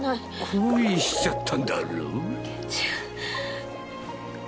恋しちゃったんだろ？違う。